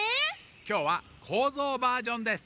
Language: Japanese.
きょうはコーゾーバージョンです。